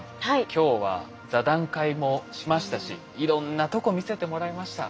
今日は座談会もしましたしいろんなとこ見せてもらいました。